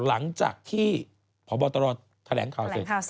หลังจากที่พบตรแถลงข่าวเสร็จ